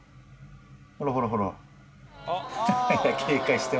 ほらほらほら。